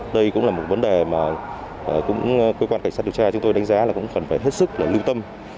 đây cũng là một vấn đề mà cơ quan cảnh sát điều tra chúng tôi đánh giá là cũng cần phải hết sức là lưu tâm